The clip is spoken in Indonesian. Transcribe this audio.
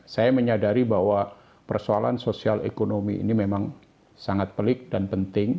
saya menyadari bahwa persoalan sosial ekonomi ini memang sangat pelik dan penting